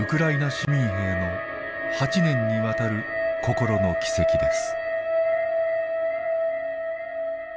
市民兵の８年にわたる心の軌跡です。